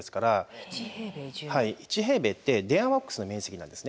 １平米って電話ボックスの面積なんですね